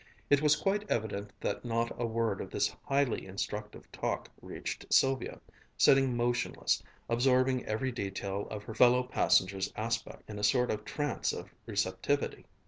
It was quite evident that not a word of this highly instructive talk reached Sylvia, sitting motionless, absorbing every detail of her fellow passengers' aspect, in a sort of trance of receptivity.